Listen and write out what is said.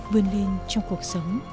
vươn lên trong cuộc sống